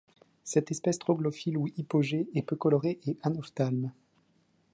Cette espèce troglophile ou hypogée est peu colorée et anophthalme.